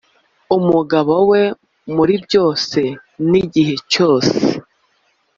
umugabo we muri byose n’igihe cyose.